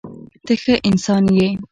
ته ښه انسان یې.